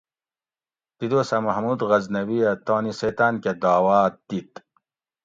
دی دوسہ محمود غزنوی ھہ تانی سیتاۤن کہ داعوات دِت